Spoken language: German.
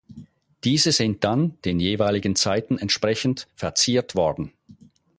Diese sind dann den jeweiligen Zeiten entsprechend verziert worden.